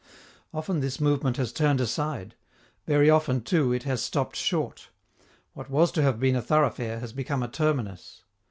Often this movement has turned aside; very often, too, it has stopped short; what was to have been a thoroughfare has become a terminus.